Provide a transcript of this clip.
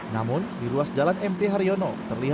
namun di ruas jalan mt haryono